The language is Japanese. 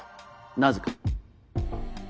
なぜか。